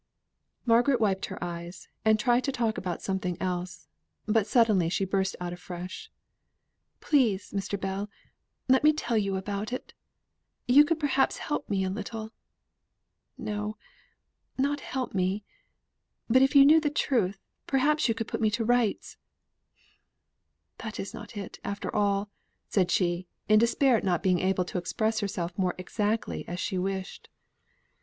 Margaret wiped her eyes, and tried to talk about something else, but suddenly she burst out afresh. "Please, Mr. Bell, let me tell you about it you could perhaps help me a little; no, not help me, but if you knew the truth, perhaps you could put me to rights that is not it, after all," said she, in despair at not being able to express herself more exactly as she wished.